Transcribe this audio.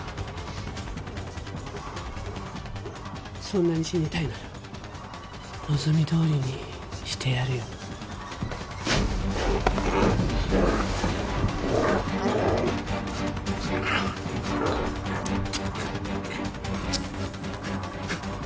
そんなに死にたいなら望みどおりにしてやるようっうっ